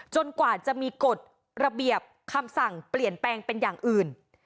กว่าจะมีกฎระเบียบคำสั่งเปลี่ยนแปลงเป็นอย่างอื่น